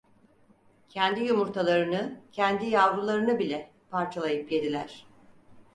Kendi yumurtalarını, kendi yavrularını bile parçalayıp yediler.